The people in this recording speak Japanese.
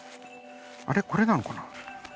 あれこれなのかな？